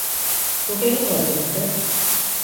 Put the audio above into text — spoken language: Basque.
Zuk egingo al zenuke?